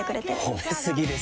褒め過ぎですよ。